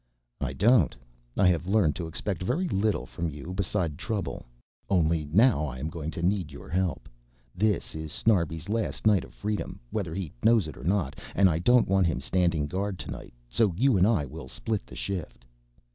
"I don't. I have learned to expect very little from you beside trouble. Only now I am going to need your help. This is Snarbi's last night of freedom whether he knows it or not, and I don't want him standing guard tonight, so you and I will split the shift."